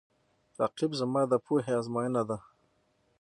رقیب زما د پوهې آزموینه ده